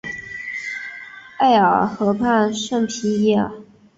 埃尔夫河畔圣皮耶尔。